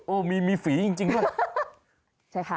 โอ้โหมีฝีจริงด้วยใช่ค่ะ